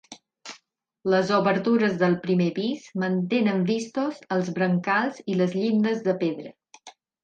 Les obertures del primer pis mantenen vistos els brancals i les llindes de pedra.